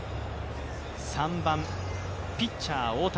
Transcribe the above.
３番・ピッチャー・大谷